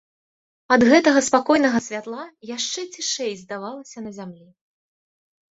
Ад гэтага спакойнага святла яшчэ цішэй здавалася на зямлі.